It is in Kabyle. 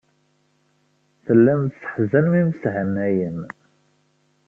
Tellam tesseḥzanem imeshanayen.